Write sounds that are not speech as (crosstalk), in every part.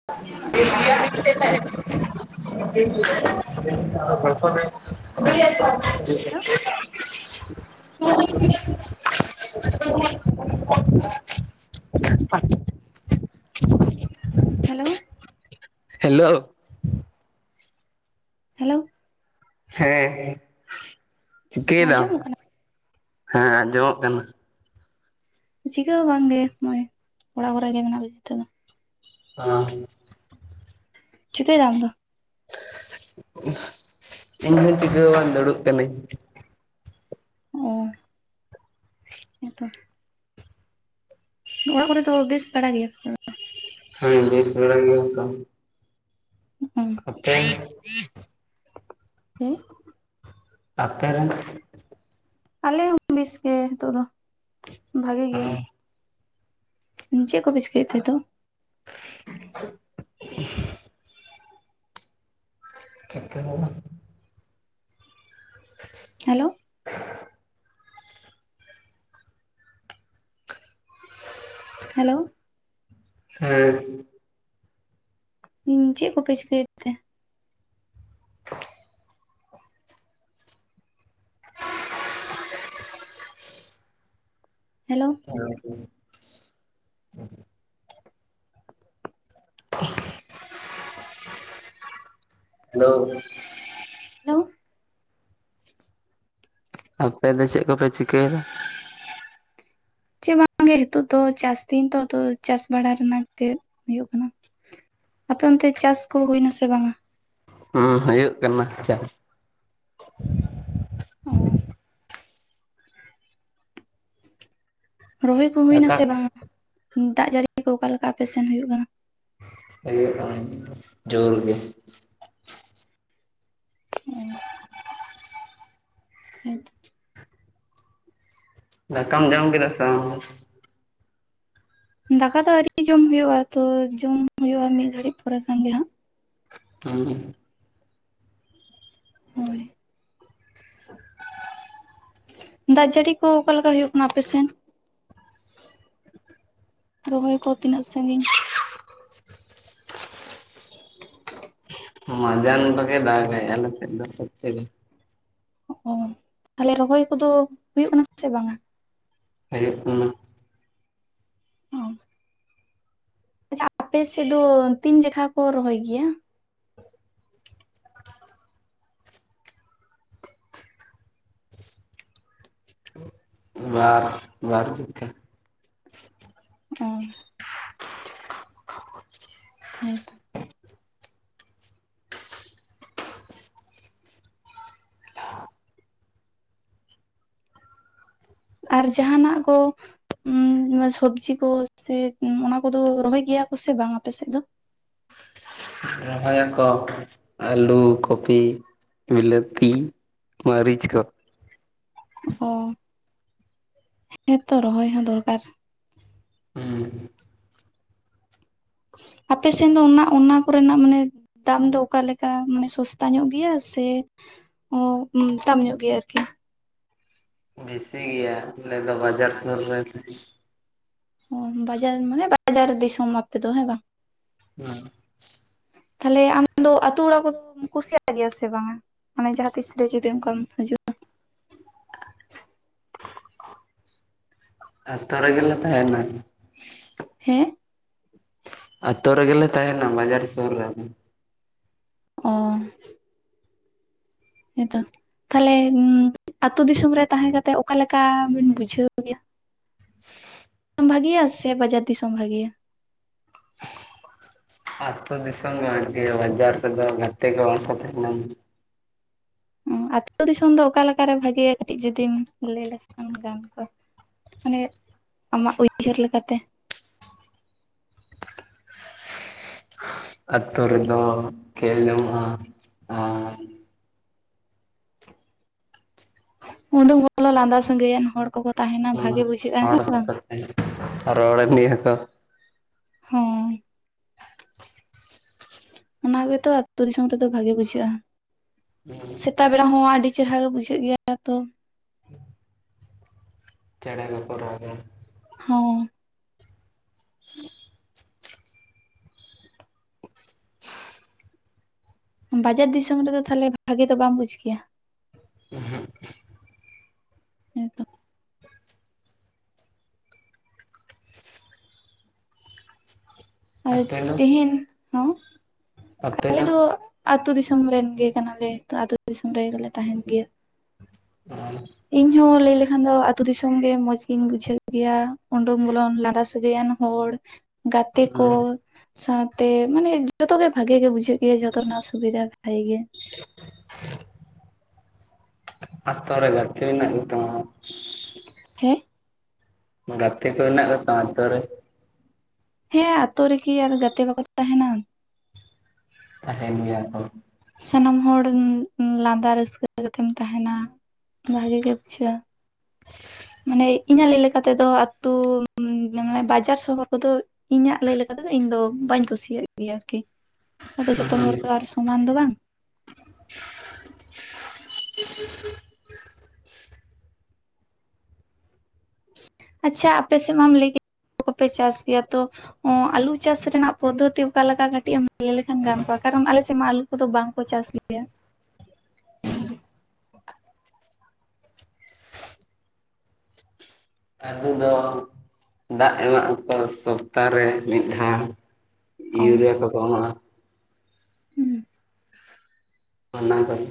(inaudible) (inaudible) Hello (inaudible) (inaudible) hello. Hello. Hello. ᱦᱮᱸ ᱪᱤᱠᱟᱹᱭ ᱫᱟᱢ? ᱟᱸᱡᱚᱢᱚᱜ ᱠᱟᱱᱟ ᱦᱮᱸ ᱟᱸᱡᱚᱢᱚᱜ ᱠᱟᱱᱟ᱾ ᱪᱤᱠᱟᱹ ᱦᱚᱸ ᱵᱟᱝᱜᱮ ᱱᱚᱜᱼᱚᱭ ᱚᱲᱟᱜ ᱠᱚᱨᱮ ᱜᱮ ᱢᱮᱱᱟᱜ ᱞᱮ ᱱᱤᱛᱚᱜ ᱫᱚ᱾ ᱚ᱾ ᱪᱤᱠᱟᱹᱭ ᱫᱟᱢ ᱟᱢ ᱫᱚ? ᱤᱧᱦᱚᱸ ᱪᱤᱠᱟᱹ ᱦᱚᱸ ᱵᱟᱝ, ᱫᱩᱲᱩᱵ ᱠᱟᱹᱱᱟᱹᱧ᱾ ᱚ, ᱦᱮᱸ ᱛᱚ᱾ ᱚᱲᱟᱜ ᱠᱚᱨᱮ ᱫᱚ ᱵᱮᱥ ᱵᱟᱲᱟ ᱜᱮᱭᱟ? ᱦᱮᱸ ᱵᱮᱥ ᱵᱟᱲᱟ ᱜᱮᱭᱟ ᱠᱚ᱾ ᱚ, ᱟᱯᱮ ᱦᱮᱸ? ᱟᱯᱮ ᱨᱮᱱ? ᱟᱞᱮ ᱦᱚᱸ ᱵᱮᱥ ᱜᱮ ᱱᱤᱛᱚᱜ ᱫᱚ, ᱵᱷᱟᱜᱮ ᱜᱮᱭᱟ ᱦᱮᱸ ᱞᱮ᱾ ᱩᱸ ᱪᱮᱫ ᱠᱚᱯᱮ ᱪᱤᱠᱟᱹᱭ ᱛᱮ ᱦᱤᱛᱳᱜ? (inaudible) ᱪᱮᱫ ᱠᱚᱦᱚᱸ ᱵᱟᱝ᱾ (inaudible) ᱦᱮᱞᱳ? (inaudible) ᱦᱮᱞᱳ᱾ ᱦᱮᱸ᱾ (unintelligible) ᱪᱮᱫ ᱠᱚᱯᱮ ᱪᱤᱠᱟᱹᱭᱮᱫ ᱛᱮ? ᱦᱮᱞᱳ᱾ (unintelligible) ᱦᱮᱞᱳ᱾ ᱦᱮᱞᱳ᱾ ᱟᱯᱮ ᱫᱚ ᱪᱮᱫ ᱠᱚᱯᱮ ᱪᱤᱠᱟᱹᱭ ᱫᱟ? ᱪᱮᱫ ᱦᱚᱸ ᱵᱟᱝ ᱜᱮ, ᱦᱤᱛᱳᱜ ᱫᱚ ᱪᱟᱥ ᱫᱤᱱ ᱛᱚ ᱛᱚ ᱪᱟᱥ ᱵᱟᱲᱟ ᱨᱮᱱᱟᱜ ᱜᱮ ᱦᱩᱭᱩᱜ ᱠᱟᱱᱟ᱾ ᱟᱯᱮ ᱚᱱᱛᱮ ᱪᱟᱥ ᱠᱚ ᱦᱩᱭᱱᱟ ᱥᱮ ᱵᱟᱝᱟ? ᱦᱚᱸ ᱦᱩᱭᱩᱜ ᱠᱟᱱᱟ ᱪᱟ ᱚ᱾ ᱨᱚᱦᱚᱭ ᱠᱚ ᱦᱩᱭ ᱱᱟ ᱫᱟᱠᱟ ᱥᱮ ᱵᱟᱝ? ᱫᱟᱜ ᱡᱟᱹᱲᱤ ᱠᱚ ᱚᱠᱟᱞᱮᱠᱟ ᱟᱯᱮ ᱥᱮᱱ ᱦᱩᱭᱩᱜ ᱠᱟᱱᱟ? ᱦᱩᱭᱩᱜ-ᱟ ᱤᱧᱫᱚ ᱡᱳᱨ ᱜᱮ᱾ ᱚ᱾ ᱦᱮᱸ ᱛᱚ᱾ ᱫᱟᱠᱟᱢ ᱡᱚᱢ ᱠᱮᱫᱟ ᱥᱮ ᱵᱟᱝ? ᱫᱟᱠᱟ ᱫᱚ ᱟᱹᱣᱨᱤ ᱡᱚᱢ ᱦᱳᱭᱳᱜᱼᱟ ᱛᱚ ᱡᱚᱢ ᱦᱳᱭᱳᱜᱼᱟ ᱢᱤᱫ ᱜᱷᱟᱹᱲᱤᱡ ᱯᱚᱨᱮ ᱠᱷᱟᱱ ᱜᱮ ᱦᱟᱸᱜ᱾ (unintelligible) ᱦᱳᱭ᱾ ᱫᱟᱜ ᱡᱟᱹᱲᱤ ᱠᱚ ᱚᱠᱟ ᱞᱮᱠᱟ ᱦᱩᱭᱩᱜ ᱠᱟᱱᱟ ᱟᱯᱮ ᱥᱮᱱ? ᱨᱚᱦᱚᱭ ᱠᱚ ᱛᱤᱱᱟᱹᱜ ᱥᱟᱺᱜᱤᱧ? ᱢᱟᱡᱟᱱ ᱨᱮᱜᱮ ᱫᱟᱜᱟᱭ ᱟᱞᱮ ᱥᱮᱫ ᱫᱚ, ᱥᱟᱨᱤ ᱥᱟᱨᱤ᱾ ᱚ ᱛᱟᱞᱦᱮ ᱨᱚᱦᱚᱭ ᱠᱚᱫᱚ ᱦᱩᱭᱩᱜ ᱠᱟᱱᱟ ᱥᱮ ᱵᱟᱝᱟ? ᱦᱩᱭᱩᱜ ᱠᱟᱱᱟ᱾ ᱚ᱾ ᱟᱪᱪᱷᱟ ᱟᱯᱮ ᱥᱮᱫ ᱫᱚ ᱛᱤᱱ ᱡᱟᱠᱷᱟ ᱠᱚ ᱨᱚᱦᱚᱭ ᱜᱮᱭᱟ? ᱵᱟᱨ, ᱵᱟᱨ ᱡᱚᱠᱷᱟ᱾ ᱚ᱾ ᱦᱮᱸᱛᱚ ᱟᱨ ᱡᱟᱦᱟᱸᱱᱟᱜ ᱠᱚ ᱩᱸ ᱥᱚᱵᱡᱤ ᱠᱚ ᱥᱮ ᱚᱱᱟ ᱠᱚᱫᱚ ᱨᱚᱦᱚᱭ ᱜᱮᱭᱟ ᱠᱚ ᱥᱮ ᱵᱟᱝ ᱟᱯᱮ ᱥᱮᱫ ᱫᱚ? ᱨᱚᱦᱚᱭᱟᱠᱚ ᱟᱞᱩ, ᱠᱚᱯᱤ, ᱵᱤᱞᱟᱹᱛᱤ, ᱢᱟᱹᱨᱤᱪ ᱠᱚ᱾ ᱚ, ᱦᱮᱸ ᱛᱚ ᱨᱚᱦᱚᱭ ᱦᱚᱸ ᱫᱚᱨᱠᱟᱨ᱾ ᱦᱩᱸ᱾ ᱟᱯᱮ ᱥᱮᱱ ᱫᱚ ᱚᱱᱟ ᱚᱱᱟ ᱠᱚᱨᱮᱱᱟᱜ ᱢᱟᱱᱮ ᱫᱟᱢ ᱫᱚ ᱚᱠᱟ ᱞᱮᱠᱟ? ᱢᱟᱱᱮ ᱥᱚᱥᱛᱟ ᱧᱚᱜ ᱜᱮᱭᱟ ᱥᱮ ᱚ ᱩᱸ ᱫᱟᱢ ᱧᱚᱜ ᱜᱮᱭᱟ ᱟᱨᱠᱤ᱾ ᱵᱮᱥᱤ ᱜᱮᱭᱟ, ᱟᱞᱮ ᱫᱚ ᱵᱟᱡᱟᱨ ᱥᱩᱨ ᱨᱮ ᱚ ᱵᱟᱡᱟᱨ ᱢᱟᱱᱮ ᱵᱟᱡᱟᱨ ᱫᱤᱥᱚᱢ ᱟᱯᱮ ᱫᱚ, ᱦᱮᱸ ᱵᱟᱝ? ᱦᱮᱸ᱾ ᱛᱟᱞᱦᱮ ᱟᱢ ᱫᱚ ᱟᱹᱛᱩ ᱚᱲᱟᱜ ᱠᱚᱫᱚᱢ ᱠᱩᱥᱤᱭᱟᱜ ᱜᱮᱭᱟ ᱥᱮ ᱵᱟᱝᱟ? ᱢᱟᱱᱮ ᱡᱟᱦᱟᱸ ᱛᱤᱥ ᱨᱮ ᱡᱩᱫᱤ ᱚᱱᱠᱟᱢ ᱦᱤᱡᱩᱜᱼᱟ᱾ ᱟᱹᱛᱳ ᱨᱮᱜᱮ ᱞᱮ ᱛᱟᱦᱮᱱᱟ᱾ ᱦᱮᱸ? ᱟᱹᱛᱳ ᱨᱮᱜᱮ ᱞᱮ ᱛᱟᱦᱮᱱᱟ, ᱵᱟᱡᱟᱨ ᱥᱩᱨ ᱨᱮᱜᱮ᱾ ᱚ᱾ ᱦᱮᱸ ᱛᱚ᱾ ᱛᱟᱦᱞᱮ ᱩᱸ ᱟᱹᱛᱩ ᱫᱤᱥᱚᱢ ᱨᱮ ᱛᱟᱦᱮᱸᱠᱟᱛᱮᱜ ᱚᱠᱟᱞᱮᱠᱟ ᱵᱤᱱ ᱵᱩᱡᱷᱟᱹᱣ ᱜᱮᱭᱟ? (inaudible) ᱵᱷᱟᱜᱮᱭᱟ ᱥᱮ ᱵᱟᱡᱟᱨ ᱫᱤᱥᱚᱢ ᱵᱷᱟᱜᱮᱭᱟ? ᱟᱹᱛᱳ ᱫᱤᱥᱚᱢ ᱜᱮ ᱵᱷᱟᱜᱮᱭᱟ, ᱵᱟᱡᱟᱨ ᱨᱮᱫᱚ ᱜᱟᱛᱮ ᱠᱚ ᱵᱟᱝ ᱠᱚ ᱛᱟᱦᱮᱱᱟ᱾ ᱚ ᱟᱛᱳ ᱫᱤᱥᱚᱢ ᱫᱚ ᱚᱠᱟᱞᱮᱠᱟ ᱨᱮ ᱵᱷᱟᱜᱮᱤᱭᱟ ᱠᱟᱹᱴᱤᱡ ᱡᱩᱚᱫᱤᱢ ᱞᱟᱹᱭ ᱞᱮᱠᱷᱟᱱ ᱜᱟᱱ ᱠᱚᱜ-ᱟ᱾ ᱢᱟᱱᱮ ᱟᱢᱟᱜ ᱩᱭᱦᱟᱹᱨ ᱞᱮᱠᱟ ᱛᱮ᱾ ᱟᱹᱛᱳ ᱨᱮ ᱫᱚ ᱠᱷᱮᱞ ᱧᱟᱢᱚᱜ-ᱟ ᱟᱨ ᱩᱰᱩᱠ ᱵᱚᱞᱚ ᱞᱟᱸᱫᱟ ᱥᱟᱹᱜᱟᱹᱭᱟᱱ ᱦᱚᱲ ᱠᱚᱠᱚ ᱛᱟᱦᱮᱱᱟ ᱵᱷᱟᱜᱮ ᱵᱩᱡᱷᱟᱹᱜᱼᱟ, ᱦᱮᱸ ᱵᱟᱝ? (unintelligible) ᱨᱚᱲᱟᱢ ᱜᱮᱭᱟ ᱠᱚ᱾ ᱦᱮᱸ᱾ ᱚᱱᱟ ᱜᱮᱛᱚ ᱟᱛᱳ ᱫᱤᱥᱚᱢ ᱨᱮᱫᱚ ᱵᱷᱟᱜᱮ ᱵᱩᱡᱷᱟᱹᱜᱼᱟ᱾ ᱦᱩᱸ᱾ ᱛᱟ ᱵᱮᱲᱟ ᱦᱚᱸ ᱟᱹᱰᱤ ᱪᱮᱨᱦᱟ ᱜᱮ ᱵᱩᱡᱷᱟᱹᱜ ᱜᱮᱭᱟ ᱛᱚ᱾ ᱪᱮᱬᱮ ᱠᱚᱠᱚ ᱨᱟᱜᱟ᱾ ᱦᱚᱸ᱾ (inaudible) (inaudible) ᱵᱟᱡᱟᱨ ᱫᱤᱥᱚᱢ ᱨᱮᱫᱚ ᱛᱟᱦᱞᱮ ᱵᱷᱟᱜᱮ ᱫᱚ ᱵᱟᱢ ᱵᱩᱡ ᱜᱮᱭᱟ? ᱮᱸ ᱦᱮᱸᱜ᱾ ᱦᱮᱸ ᱛᱚ᱾ ᱟᱨ ᱟᱯᱮ ᱫᱚ ᱛᱮᱦᱮᱧ ᱦᱚᱸ, ᱟᱞᱮ ᱫᱚ ᱟᱹᱛᱩ ᱫᱤᱥᱚᱢ ᱨᱮᱱ ᱜᱮ ᱠᱟᱱᱟ ᱞᱮ ᱟᱹᱛᱩ ᱫᱤᱥᱚᱢ ᱨᱮᱜᱮ ᱞᱮ ᱛᱟᱦᱮᱱ ᱜᱮᱭᱟ᱾ ᱦᱩᱸ ᱤᱧ ᱦᱚᱸ ᱞᱟᱹᱭ ᱞᱮᱠᱷ ᱮᱱᱠᱷᱟᱱ ᱫᱚ ᱟᱛᱳ ᱫᱤᱥᱚᱢ ᱜᱮ ᱢᱚᱸᱡᱽ ᱜᱤᱧ ᱵᱩᱡᱷᱟᱹᱣ ᱜᱮᱭᱟ, ᱩᱰᱩᱠ ᱵᱚᱞᱚᱱ ᱞᱟᱸᱫᱟ ᱥᱟᱹᱜᱟᱹᱭᱟᱱ ᱦᱚᱲ᱾ ᱜᱟᱛᱮ ᱠᱚ᱾ ᱥᱟᱶᱛᱮ ᱢᱟᱱᱮ ᱡᱚᱛᱚᱜ ᱜᱮ ᱵᱷᱟᱜᱮ ᱜᱮ ᱵᱩᱡᱷᱟᱹᱜ ᱜᱮᱭᱟ, ᱡᱚᱛᱚ ᱨᱮᱱᱟᱜ ᱥᱩᱵᱤᱫᱷᱟ ᱵᱷᱟᱜᱮ ᱜᱮᱭᱟ᱾ ᱟᱛᱳ ᱨᱮ ᱜᱟᱛᱮ ᱦᱮᱱᱟᱜ ᱠᱛᱟᱢᱟ? ᱦᱮᱸ? ᱜᱟᱛᱮ ᱠᱚ ᱦᱮᱱᱟᱜ ᱠᱚᱛᱟᱢᱟ ᱟᱛᱳ ᱨᱮ? ᱦᱮᱸ ᱟᱛᱳ ᱨᱮᱜᱤ ᱟᱨ ᱜᱟᱛᱮ ᱵᱟᱠᱚ ᱛᱟᱦᱮᱱᱟ᱾ ᱛᱟᱦᱮᱸᱱ ᱜᱮᱭᱟ ᱠᱚ᱾ ᱥᱟᱱᱟᱢ ᱦᱚᱲ ᱞᱟᱸᱫᱟ ᱨᱟᱹᱥᱠᱟᱹ ᱠᱟᱛᱮᱢ ᱛᱟᱦᱮᱱᱟ ᱵᱷᱟᱜᱮ ᱜᱮ ᱵᱩᱡᱷᱟᱹᱜᱼᱟ᱾ ᱢᱟᱱᱮ ᱤᱧᱟᱹᱜᱟᱹᱭ ᱞᱮᱠᱟᱛᱮ ᱫᱚ ᱟᱛᱩ ᱢᱟᱱᱮ ᱵᱟᱡᱟᱨ ᱥᱚᱦᱚᱨ ᱠᱚᱫᱚ ᱤᱧᱟᱹᱜ ᱞᱟᱹᱭ ᱞᱮᱠᱟ ᱛᱮᱫ, ᱤᱧ ᱫᱚ ᱵᱟᱹᱧ ᱠᱩᱥᱤᱭᱟᱜ ᱜᱮᱭᱟ ᱟᱨᱠᱤ᱾ ᱟᱫᱚ ᱡᱚᱛᱚ ᱦᱚᱲ ᱛᱚ ᱟᱨ ᱥᱚᱢᱟᱱ ᱫᱚ ᱵᱟᱝ᱾ ᱟᱪᱪᱷᱟ ᱟᱯᱮ ᱥᱮᱫ ᱢᱟᱢ ᱞᱟᱹᱭ ᱠᱮᱫ (inaudible) ᱠᱚᱯᱮ ᱪᱟᱥ ᱜᱮᱭᱟ ᱛᱚ ᱟᱞᱩ ᱪᱟᱥ ᱨᱮᱱᱟᱜ ᱯᱚᱫᱽᱫᱷᱚᱛᱤ ᱚᱠᱟᱞᱮᱠᱟ, ᱠᱟᱹᱴᱤᱡ ᱮᱢ ᱞᱟᱹᱭ ᱞᱮᱠᱷᱟᱱ ᱜᱟᱱ ᱠᱚᱜᱼᱟ, ᱠᱟᱨᱚᱱ ᱟᱞᱮᱥᱮᱫ ᱢᱟ ᱟᱞᱩ ᱠᱚᱫᱚ ᱵᱟᱝᱠᱚ ᱪᱟᱥ ᱜᱮᱭᱟ᱾ ᱟᱵᱩ ᱫᱚ ᱫᱟᱜ ᱮᱢᱟᱜ ᱟᱠᱚ ᱥᱚᱯᱛᱟᱦᱚ ᱨᱮ ᱢᱤᱫ ᱫᱷᱟᱣ᱾ ᱚ ᱤᱭᱨᱮᱭᱟ ᱠᱚᱠᱚ ᱮᱢᱟᱼᱟ᱾ ᱦᱩᱸ ᱚᱱᱟ ᱠᱚᱜᱮ᱾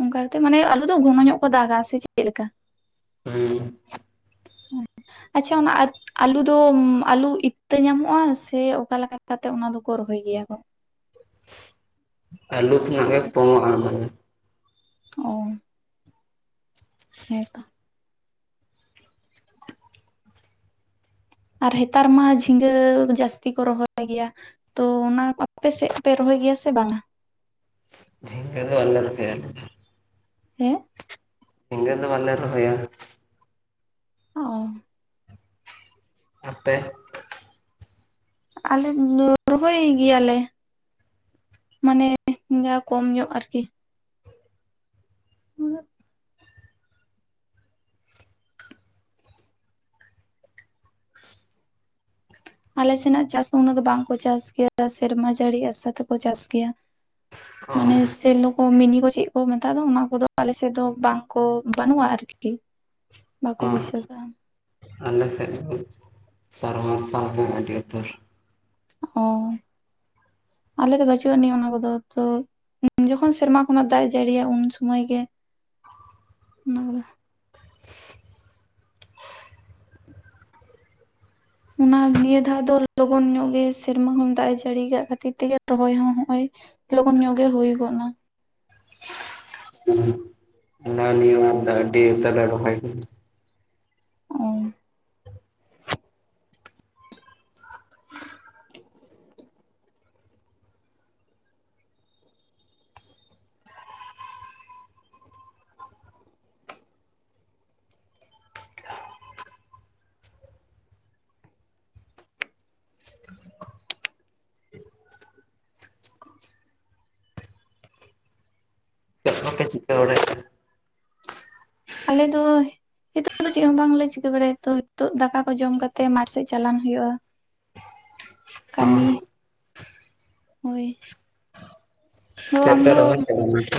ᱚᱱᱠᱟ ᱠᱟᱛᱮ ᱢᱟᱱᱮ, ᱟᱞᱩ ᱫᱚ ᱜᱷᱚᱱᱚ ᱧᱚᱜ ᱠᱚ ᱫᱟᱜᱟ ᱥᱮ ᱪᱮᱫ ᱞᱮᱠᱟ? ᱦᱩᱸ ᱟᱪᱪᱷᱟ ᱚᱱᱟ ᱟ ᱟᱞᱩ ᱫᱚ ᱟᱞᱩ ᱤᱛᱟᱹ ᱧᱟᱢᱚᱜᱼᱟ, ᱥᱮ ᱚᱠᱟᱞᱮᱠᱟ ᱠᱟᱛᱮᱜ ᱚᱱᱟ ᱫᱚᱠᱚ ᱨᱚᱦᱚᱭ ᱜᱮᱭᱟ ᱠᱚ? ᱟᱞᱩ ᱠᱷᱱᱟᱜ ᱜᱮ ᱯᱚᱝᱚᱼᱟ ᱚᱱᱟ ᱫᱚ᱾ ᱚᱻ ᱦᱮᱸ ᱛᱚ ᱟᱨ ᱦᱮᱛᱟᱨ ᱢᱟ ᱡᱷᱤᱸᱜᱟᱹ ᱡᱟᱹᱥᱛᱤ ᱠᱚ ᱨᱚᱦᱚᱭ ᱜᱮᱭᱟ᱾ ᱛᱚ ᱚᱱᱟ ᱟᱯᱮᱥᱮᱫ ᱯᱮ ᱨᱚᱦᱚᱭ ᱜᱮᱭᱟ ᱥᱮ ᱵᱟᱝᱟ? ᱡᱷᱤᱝᱠᱟ ᱫᱚ ᱵᱟᱞᱮ ᱨᱚᱦᱚᱭᱟ ᱟᱞᱮ ᱫᱚ᱾ ᱦᱮᱸ ᱡᱷᱤᱜᱟᱹ ᱫᱚ ᱵᱟᱞᱮ ᱨᱚᱦᱭᱟ᱾ ᱚᱻ ᱟᱯᱮ? ᱟᱞᱮ (inaudible) ᱨᱚᱦᱚᱭ ᱜᱮᱭᱟᱞᱮ᱾ ᱢᱟᱱᱮ ᱠᱚᱢ ᱧᱚᱜ ᱟᱨᱠᱤ᱾ ᱦ ᱟᱞᱮ ᱥᱮᱱᱟᱜ ᱪᱟᱥ ᱩᱱᱟᱹᱜ ᱫᱚ ᱵᱟᱝᱠᱚ ᱪᱟᱥ ᱜᱮᱭᱟ, ᱥᱮᱨᱢᱟ ᱡᱟᱹᱲᱤ ᱟᱥᱟ ᱛᱮᱠᱚ ᱪᱟᱥ ᱜᱮᱭᱟ᱾ ᱦ ᱢᱟᱱᱮ ᱥᱮᱞᱚ ᱠᱚ ᱢᱤᱱᱤ ᱠᱚ ᱪᱮᱫ ᱠᱚ ᱢᱮᱛᱟ ᱫᱚ, ᱚᱱᱟ ᱠᱚᱫᱚ ᱟᱞᱮᱥᱮᱫ ᱫᱚ ᱵᱟᱝ ᱠᱚ ᱵᱟᱹᱱᱩᱜᱼᱟ ᱟᱨᱠᱤ᱾ ᱵᱟᱠᱚ ᱦᱚᱸ ᱵᱟᱭᱥᱟᱹᱠᱟᱼᱟ᱾ ᱟᱞᱮ ᱥᱮᱫ ᱫᱚ ᱥᱟᱨᱢᱟᱨᱥᱟ ᱦᱚᱸ ᱟᱹᱰᱤᱩᱛᱚᱹᱨ ᱚ (unintelligible) ᱟᱞᱮ ᱫᱚ ᱵᱟᱹᱪᱩᱜ ᱟᱹᱱᱤᱡ ᱚᱱᱟ ᱠᱚᱫᱚ, ᱛᱚ ᱡᱚᱠᱷᱚᱱ ᱥᱮᱨᱢᱟ ᱠᱷᱚᱱᱟᱜ ᱫᱟᱜᱼᱮ ᱡᱟᱹᱲᱤᱭᱟ, ᱩᱱ ᱥᱩᱚᱢᱚᱭ ᱜᱮ ᱚᱱᱟ ᱚᱱᱟ ᱱᱤᱭᱟᱹ ᱫᱷᱟᱣ ᱫᱚ ᱞᱚᱜᱚᱱ ᱧᱚᱜ ᱜᱮ ᱥᱮᱨᱢᱟ ᱠᱷᱚᱱ ᱫᱟᱜᱼᱮ ᱡᱟᱹᱲᱤ ᱟᱠᱟᱜ ᱠᱷᱟᱹᱛᱤᱨ ᱛᱮᱜᱮ, ᱨᱚᱦᱚᱭ ᱦᱚᱸ ᱱᱚᱜᱚᱭ ᱞᱚᱜᱚᱱ ᱧᱚᱜ ᱜᱮ ᱦᱩᱭ ᱜᱚᱫ ᱱᱟ᱾ ᱚᱱᱟ ᱱ ᱚᱱᱟᱛᱮ ᱫᱚ ᱟᱰᱤ ᱩᱛᱟᱹᱨ ᱞᱮ ᱨᱚᱦᱚᱭ ᱠᱮᱫᱟ᱾ ᱚᱻ ᱪᱮᱫ ᱠᱚᱯᱮ ᱪᱤᱠᱟᱹ ᱵᱟᱲᱮᱭᱟᱜᱼᱟ? ᱟᱞᱮ ᱫᱚ ᱱᱤᱛᱚᱜ ᱫᱚ ᱪᱮᱫ ᱦᱚᱸ ᱵᱟᱝᱞᱮ ᱪᱤᱠᱟᱹ ᱵᱟᱲᱟᱭᱟ ᱛᱚ, ᱱᱤᱛᱚᱜ ᱫᱟᱠᱟ ᱠᱚ ᱡᱚᱢ ᱠᱟᱛᱮ ᱢᱟᱴᱷ ᱥᱮᱫ ᱪᱟᱞᱟᱱ ᱦᱩᱭᱩᱜᱼᱟ᱾ ᱠᱟᱹᱢᱤ ᱚᱦ ᱦᱳᱭ ᱚ ᱟᱫᱚ ᱪᱮᱫ ᱟᱢ ᱯᱮ ᱫᱚ ᱨᱚᱦᱚᱭ ᱠᱟᱫᱟ ᱚᱱᱟᱛᱮ?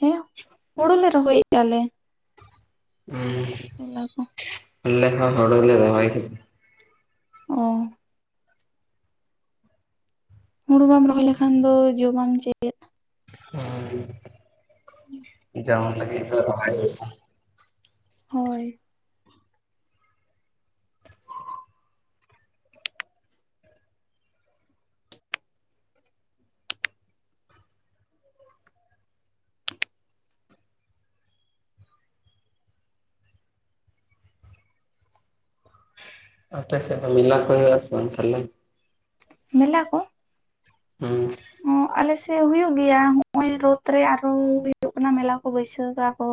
ᱦᱮᱸ ᱦᱩᱲᱩ ᱞᱮ ᱨᱚᱦᱚᱭᱮᱫᱼᱟ ᱞᱮ᱾ ᱦᱚᱸ ᱚᱱᱟ ᱠᱚ ᱟᱞᱮ ᱦᱚ ᱦᱚᱲᱞᱮ ᱨᱚᱦᱚᱭ ᱠ ᱚ ᱦᱩᱲᱩ ᱵᱟᱢ ᱨᱚᱦᱚᱭ ᱞᱮᱠᱷᱟᱱ ᱫᱚ ᱡᱚᱢᱟᱢ ᱪᱮᱫ? ᱚ ᱡᱚᱢ ᱞᱟᱹᱜᱤᱫ ᱫᱚ ᱨᱚᱦᱚᱭ ᱦᱩᱭᱩ ᱟ᱾ ᱦᱳᱭ ᱟᱯᱮ ᱥᱮᱫ ᱫᱚ ᱢᱮᱞᱟ ᱠᱚ ᱦᱩᱭᱩ ᱟ ᱥᱮ ᱵᱟᱝ ᱛᱟᱦᱞᱮ? ᱢᱮᱞᱟ ᱠᱩ? ᱦᱩ ᱟᱞᱮᱥᱮᱫ ᱦᱩᱭᱩᱜ ᱜᱮᱭᱟ, ᱦᱚᱜ ᱚᱭ ᱨᱳᱫᱽ ᱨᱮ ᱟᱨᱦᱚ ᱦᱩᱭᱩᱜ ᱠᱟᱱᱟ ᱢᱮᱞᱟ ᱠᱚ ᱵᱟᱹᱭᱥᱟᱹᱠᱟ ᱟᱠᱚ᱾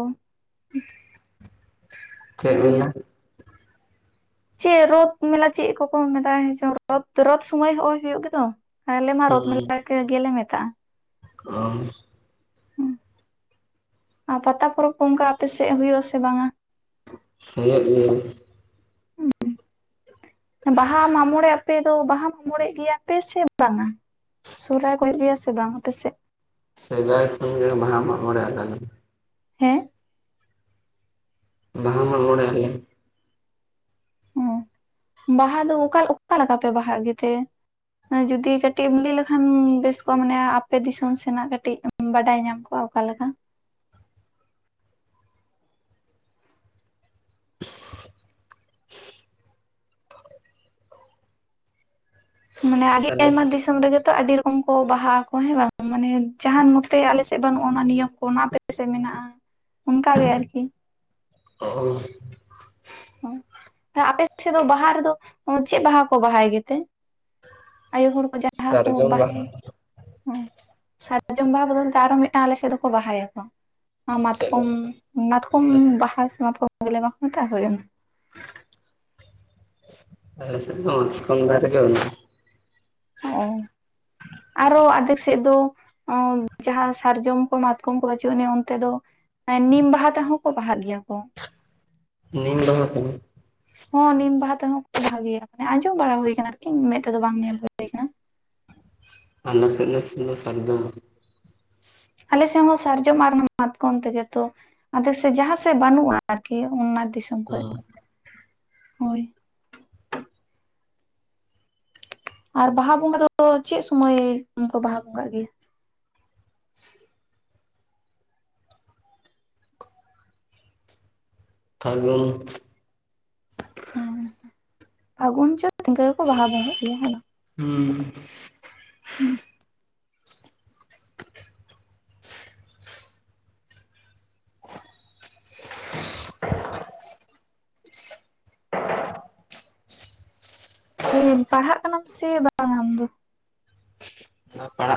ᱪᱮ ᱦᱩᱭᱩᱜ ᱜᱮᱭᱟ ᱢᱮᱞᱟ? ᱪᱮᱫ ᱨᱳᱫ ᱢᱮᱞᱟ ᱪᱮᱫ ᱠᱚᱠᱚ ᱢᱮᱛᱟᱜᱸ ᱪ ᱨ ᱨᱳᱫ ᱥᱩᱢᱚᱭ ᱦᱚᱸᱚᱭ ᱦᱩᱭᱩᱜ ᱜᱮᱛᱚ᱾ ᱟᱞᱮ ᱢᱟ ᱦᱩᱸ ᱨᱚᱛ ᱢᱮᱞᱟ ᱜᱮᱞᱮ ᱢᱮᱛᱟᱜᱼᱟ᱾ ᱟᱨ ᱟᱨ ᱯᱟᱛᱟ ᱯᱚᱨᱚᱵᱽ ᱠᱚ ᱚᱱᱠᱟ ᱟᱯᱮᱥᱮᱫ ᱦᱩᱭᱩᱜ ᱟᱥᱮ ᱵᱟᱝ ᱟ? ᱦᱮ (unintelligible) ᱵᱟᱦᱟ ᱢᱟᱜ ᱢᱚᱬᱮ ᱟᱯᱮ ᱫᱚ ᱵᱟᱦᱟ ᱢᱟᱢᱚᱬᱮ ᱜᱮᱭᱟ ᱯᱮ ᱥᱮ ᱵᱟᱝᱟ? ᱥᱚᱦᱟᱭ ᱠᱚ ᱦᱩᱭᱩ ᱜᱮᱭᱟ ᱥᱮ ᱵᱟᱝ ᱟᱯᱮᱥᱮᱫ? ᱥᱮᱫᱟᱭ ᱠᱷᱚᱱ ᱜᱮ ᱵᱟᱦᱟ ᱢᱟᱜ ᱢᱚᱬᱮ ᱟᱞᱮᱫᱼᱼ ᱦᱮᱸ ᱵᱟᱦᱟ ᱢᱟᱜᱢᱲᱮ ᱟᱞᱮ᱾ ᱦ ᱵᱟᱦᱟ ᱫᱚ ᱚᱠᱟ ᱚᱠᱟ ᱞᱮᱠᱟ ᱯᱮ ᱵᱟᱦᱟ ᱜᱮᱛᱮ? ᱡᱩᱫᱤ ᱠᱟᱹᱴᱤᱡ ᱮᱢ ᱞᱟᱹᱭ ᱞᱮᱠᱷᱟᱱ ᱵᱮᱥ ᱠᱚᱜᱼᱟ, ᱢᱟᱱᱮ ᱟᱯᱮ ᱫᱤᱥᱚᱢ ᱥᱮᱱᱟᱜ ᱠᱟᱹᱴᱤᱡ ᱵᱟᱰᱟᱭ ᱧᱟᱢ ᱠᱚᱜᱼᱟ ᱚᱠᱟᱞᱮᱠᱟ᱾ (inaudible) ᱢᱟᱱᱮ ᱟᱹᱰᱤ ᱟᱞᱮ ᱟᱭᱢᱟ ᱥᱮᱫ ᱫᱤᱥᱚᱢ ᱨᱮᱜᱮ ᱛᱚ ᱟᱹᱰᱤ ᱨ ᱯᱚᱠᱚᱢ ᱠᱚ ᱵᱟᱦᱟ ᱠᱚ ᱦᱮᱸ ᱵᱟᱝ, ᱢᱟᱱᱮ ᱡᱟᱦᱟᱱ ᱱᱛᱮ ᱟᱞᱮ ᱥᱮᱫ ᱵᱟᱹᱱᱩᱜᱼᱟ ᱚᱱᱟ ᱱᱤᱭᱚᱢ ᱠᱚ ᱚᱱᱟ ᱟᱯᱮ ᱥᱮᱫ ᱢᱮᱱᱟᱜᱼᱟ᱾ ᱚᱱᱠᱟ ᱜᱮ ᱟᱨᱠᱤ᱾ ᱚᱻ (unintelligible) ᱟᱯᱮ ᱥᱮᱫ ᱫᱚ ᱵᱟᱦᱟ ᱨᱮᱫᱚ ᱪᱮᱫ ᱵᱟᱦᱟ ᱠᱚ ᱵᱟᱦᱟᱭ ᱜᱮᱛᱮ? ᱟᱭᱳ ᱦᱚᱲ ᱠᱚ ᱡᱟᱦᱟᱸ ᱠᱚ ᱥᱟᱨᱡᱚᱢ ᱵᱟᱦᱟᱭ ᱵᱟᱦᱟ ᱥᱟᱨᱡᱚᱢ ᱵᱟᱦᱟ ᱵᱚᱫᱚᱞᱛᱮ ᱟᱨᱚ ᱢᱤᱫᱴᱟᱝ ᱟᱞᱮ ᱥᱮᱫ ᱫᱚᱠᱚ ᱵᱟᱦᱟᱭᱟᱠᱚ᱾ ᱪᱮᱫ ᱢᱟᱛᱠᱚᱢ ᱵᱟᱦᱟ? ᱢᱟᱛᱠᱚᱢ ᱵᱟᱦᱟ ᱥᱮ ᱢᱟᱛᱠᱚᱢ ᱜᱮᱞᱮ ᱵᱟᱠ ᱢᱮᱛᱟᱜ ᱦᱩᱳᱭ ᱚᱱᱟ᱾ ᱟᱞᱮ ᱥᱮᱫ ᱢᱟ ᱢᱟᱛᱠᱚᱢ ᱫᱟᱨᱮ ᱜᱮ ᱵᱟᱱᱩᱜ-ᱟ᱾ ᱚᱱᱟ ᱚ (inaudible) ᱟᱨᱚ ᱟᱫᱷᱮᱠ ᱥᱮᱡ ᱫᱚ ᱡᱟᱦᱟ ᱥᱟᱨᱡᱚᱢ ᱠᱚ ᱢᱟᱛᱠᱚᱢ ᱠᱚ ᱵᱟᱹᱪᱩᱜ ᱟᱹᱱᱤᱡ ᱚᱱᱛᱮ ᱫᱚ᱾ ᱱᱤᱢ ᱵᱟᱦᱟ ᱛᱮᱦᱚᱸ ᱠᱚ ᱵᱟᱦᱟᱜ ᱜᱮᱭᱟ ᱠᱚ᱾ ᱱᱤᱢ ᱵᱟᱦᱟ ᱛᱮᱦᱚ᱾ ᱦᱚᱸ ᱱᱤᱢ ᱵᱟᱦᱟ ᱛᱮᱦᱚᱸ ᱠᱚ ᱵᱟᱦᱟᱜ ᱜᱮᱭᱟ ᱢᱟᱱᱮ ᱟᱸᱡᱚᱢ ᱵᱟᱲᱟ ᱦᱩᱭ ᱠᱟᱱᱟ ᱟᱨᱠᱤ ᱢᱮᱫ ᱛᱮᱫᱚ ᱵᱟᱝ ᱧᱮᱞ ᱦᱩᱭ ᱠᱟᱱᱟ᱾ ᱟᱞᱮ ᱥᱮᱫ ᱱᱟᱥᱮ ᱱᱟ ᱥᱟᱨᱡᱚᱢ᱾ ᱟᱞ ᱥᱮᱜ ᱦᱚᱸ ᱥᱟᱨᱡᱚᱢ ᱟᱨ ᱢᱟᱛᱠᱚᱢ ᱛᱮᱜᱮ ᱛᱚ᱾ ᱟᱫᱚ ᱥᱮ ᱡᱟᱸᱦᱟ ᱥᱮ ᱵᱟᱱᱩᱜ-ᱟ ᱟᱨᱠᱤ ᱚᱱᱟ ᱫᱤᱥᱚᱢ ᱠᱷᱚᱭ ᱦᱩᱸ ᱦᱳᱭ᱾ ᱟᱨ ᱵᱟᱦᱟ ᱵᱚᱸᱜᱟ ᱫᱚ ᱪᱮᱜ ᱥᱩᱢᱟᱹᱭ ᱠᱚ ᱵᱟᱦᱟ ᱵᱚᱸᱜᱟᱜ ᱜᱮᱭᱟ? ᱯᱷᱟᱹᱜᱩᱱ᱾ ᱦᱮᱸ ᱯᱷᱟᱜᱩᱱ ᱪᱟᱹᱛ ᱤᱱᱚᱠᱟᱹ ᱜᱮᱠᱚ ᱵᱟᱦᱟ ᱵᱚᱸᱜᱟᱜ ᱜᱮᱭᱟ ᱦᱮᱸ ᱵᱟᱝ ᱦᱩᱸ᱾ ᱵᱟᱝ ᱯᱟᱲᱦᱟᱜ ᱠᱟᱱᱟᱢ ᱥᱮ ᱵᱟᱝ ᱟᱢ ᱫᱚ᱾ ᱯᱟᱲᱟᱜ